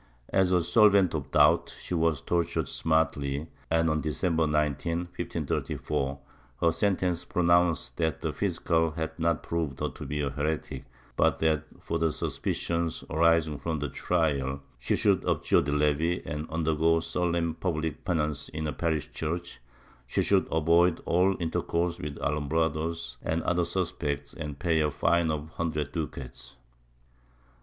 As a solvent of doubts she was tortured smartly and, on December 19, 1534, her sentence pro nounced that the fiscal had not proved her to be a heretic but that, for the suspicions arising from the trial, she should abjure de levi and undergo solemn public penance in her parish church, she should avoid all intercourse with Alumbrados or other sus pects and pay a fine of a hundred ducats.